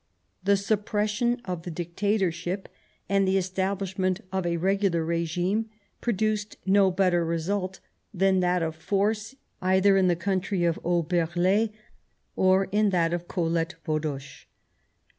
The suppression of the dictatorship and the establishment of a regular regime produced no better result than that of force either in the country of Oberle or in that of Colette Baudoche.